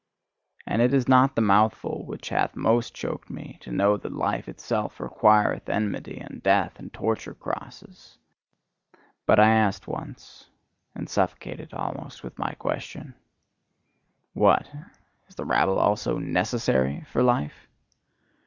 And it is not the mouthful which hath most choked me, to know that life itself requireth enmity and death and torture crosses: But I asked once, and suffocated almost with my question: What? is the rabble also NECESSARY for life?